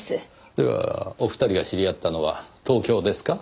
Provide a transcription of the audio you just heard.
ではお二人が知り合ったのは東京ですか？